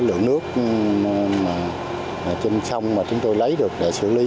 lượng nước trên sông mà chúng tôi lấy được để xử lý